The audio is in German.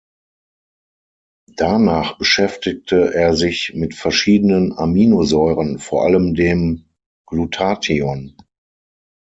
Danach beschäftigte er sich mit verschiedenen Aminosäuren, vor allem dem Glutathion.